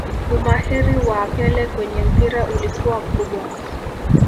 Umahiri waa pele kwenye mpira ulikuwa mkubwa